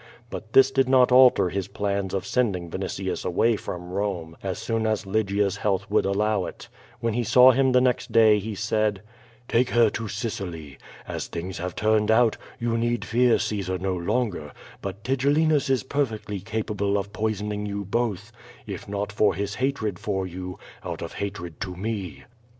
But this did not alter his plans of sending Vinitius away from Rome as soon as Ly gia's health would allow it. When he saw him the next day he said: "Take her to Sicily. As things have turned out, you need fear Caesar no longer, but TigeHinus is perfectly capable of poisoning you both, if not for his hatred for you, out of hatred to me."